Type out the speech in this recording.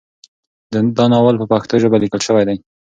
دا ناول په پښتو ژبه لیکل شوی دی.